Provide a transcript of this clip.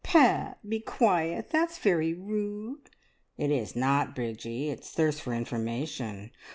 "Pat, be quiet! That's very rude." "It is not, Bridgie; it's thirst for information.